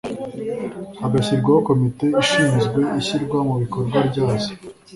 hakanashyirwaho Komite ishinzwe ishyirwa mu bikorwa ryazo